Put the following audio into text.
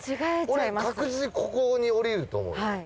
俺確実にここに降りると思う。